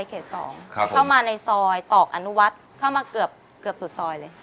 เข้ามาในซอยตอกอนุวัฒน์เข้ามาเกือบสุดซอยเลย